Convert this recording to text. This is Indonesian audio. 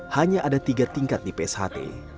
hanya ada tiga tingkat di psht